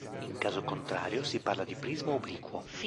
In caso contrario si parla di "prisma obliquo".